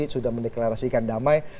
sudah mendeklarasikan damai